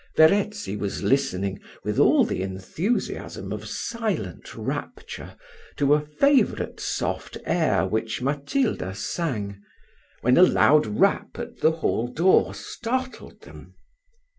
Verezzi was listening, with all the enthusiasm of silent rapture, to a favourite soft air which Matilda sang, when a loud rap at the hall door startled them.